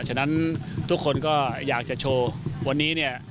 ฉะนั้นทุกคนก็อยากจะโชว์วันนี้เนี่ย